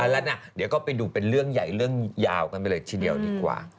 แล้วนะเดี๋ยวก็ไปดูเป็นเรื่องใหญ่เรื่องยาวกันไปเลยทีเดียวดีกว่า